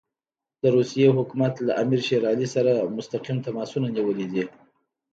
د روسیې حکومت له امیر شېر علي سره مستقیم تماسونه نیولي دي.